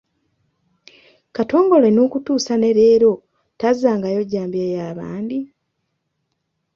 Katongole n’okutuusa ne leero tazzangayo jjambiya ya bandi?